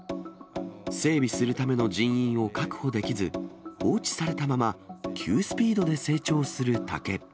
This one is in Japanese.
整備するための人員を確保できず、放置されたまま、急スピードで成長する竹。